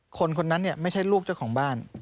คนคนนั้นเนี่ยไม่ใช่ลูกเจ้าของบ้าน